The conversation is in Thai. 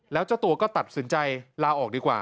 แล้วเจ้าตัวก็ตัดสินใจลาออกดีกว่า